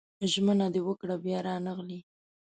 ژمنه دې وکړه بيا رانغلې